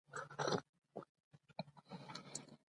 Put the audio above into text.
شفاف انتخابات د مشروع حکومت سبب ګرځي